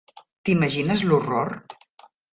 T'imagines l'horror?